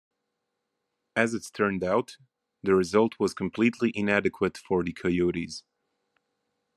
As it turned out, the result was completely inadequate for the Coyotes.